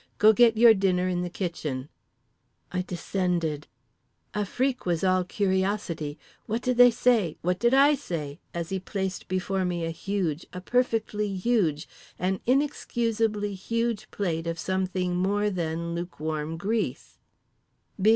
"Go get your dinner in the kitchen." I descended. Afrique was all curiosity—what did they say? what did I say?—as he placed before me a huge, a perfectly huge, an inexcusably huge plate of something more than lukewarm grease…. B.